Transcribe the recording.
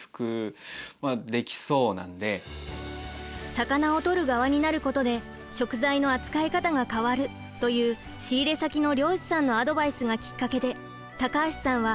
「魚を取る側になることで食材の扱い方が変わる」という仕入れ先の漁師さんのアドバイスがきっかけで高橋さんは転職を決意。